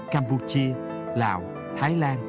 campuchia lào thái lan